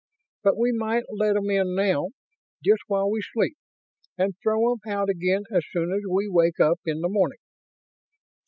But we might let 'em in now, just while we sleep, and throw 'em out again as soon as we wake up in the morning?"